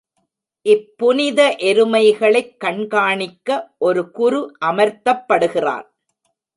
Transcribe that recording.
இப்புனித எருமைகளைக் கண்காணிக்க ஒரு குரு அமர்த்தப்படுகிறான்.